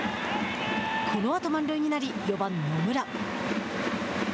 このあと満塁になり４番、野村。